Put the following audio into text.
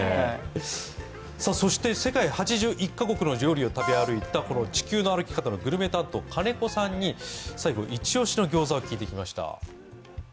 そして世界８１カ国の料理を食べ歩いた「地球の歩き方」のグルメ担当、金子さんに最後、一押しのギョウザを聞いてきました。